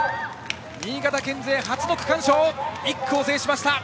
新潟県勢初の区間賞１区を制しました。